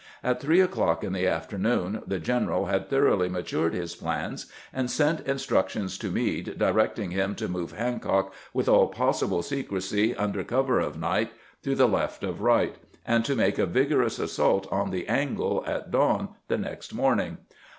At three o'clock in the afternoon the general had thoroughly matured his plans, and sent instructions to Meade directing him to move Hancock with all possible secrecy under cover of night to the left of Wright, and to make a vigorous assault on the "angle" at dawn the next morning.